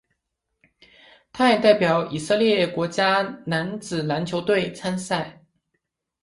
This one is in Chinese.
他也代表以色列国家男子篮球队参赛。